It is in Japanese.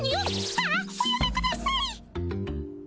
ああおやめください。